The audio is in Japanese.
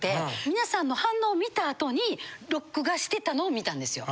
皆さんの反応を見た後に録画してたのを見たんですよ。